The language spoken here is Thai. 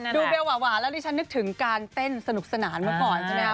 เบลหวานแล้วดิฉันนึกถึงการเต้นสนุกสนานเมื่อก่อนใช่ไหมคะ